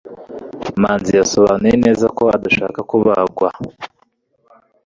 Manzi yasobanuye neza ko adashaka kubagwa.